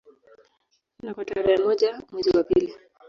Na kwa tarehe moja mwezi wa pili